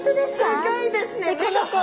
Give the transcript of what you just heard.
すギョいですね。